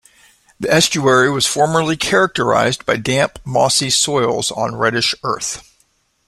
The estuary was formerly characterised by damp mossy soils on reddish earth.